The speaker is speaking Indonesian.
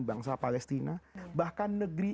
bangsa palestina bahkan negeri